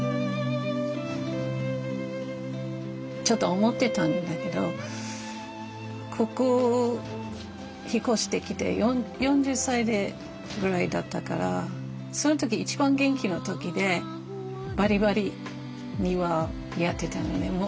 ちょっと思ってたんだけどここ引っ越してきて４０歳ぐらいだったからその時一番元気の時でバリバリ庭やってたんよね。